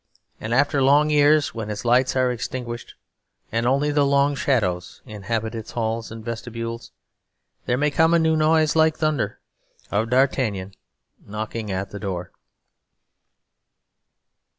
And after long years, when its lights are extinguished and only the long shadows inhabit its halls and vestibules, there may come a new noise like thunder; of D'Artagnan knocking at the door.